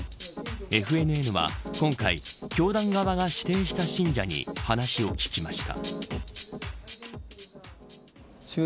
ＦＮＮは今回教団側が指定した信者に話を聞きました。